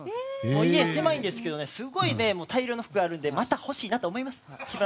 家、狭いんですけどすごい大量の服があるのでまた欲しいなと思います。